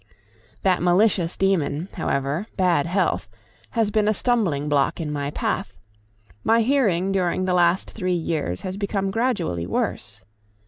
That malicious demon, however, bad health, has been a stumbling block in my path; my hearing during the last three years has become gradually worse.